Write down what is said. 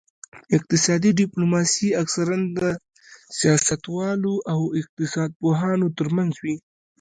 اقتصادي ډیپلوماسي اکثراً د سیاستوالو او اقتصاد پوهانو ترمنځ وي